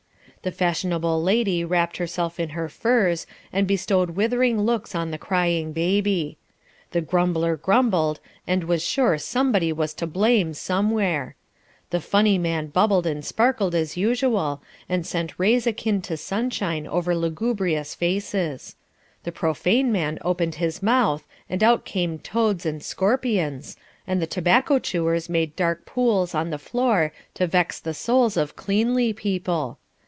The fashionable lady wrapped herself in her furs and bestowed withering looks on the crying baby. The grumbler grumbled, and was sure somebody was to blame somewhere. The funny man bubbled and sparkled as usual, and sent rays akin to sunshine over lugubrious faces. The profane man opened his mouth and out came toads and scorpions, and the tobacco chewers made dark pools on the floor to vex the souls of cleanly people.